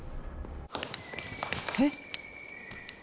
えっ？